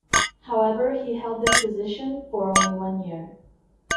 However, he held this position for only one year.